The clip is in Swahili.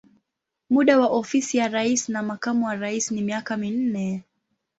Muda wa ofisi ya rais na makamu wa rais ni miaka minne.